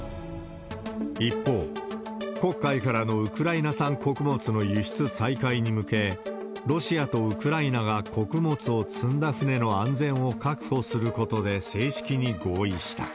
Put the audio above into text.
一方、黒海からのウクライナ産穀物の輸出再開に向け、ロシアとウクライナが穀物を積んだ船の安全を確保することで正式に合意した。